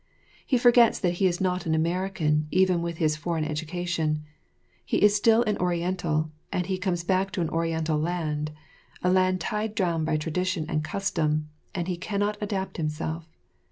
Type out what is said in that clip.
He forgets that he is not an American even with his foreign education; he is still an Oriental and he comes back to an Oriental land, a land tied down by tradition and custom, and he can not adapt himself.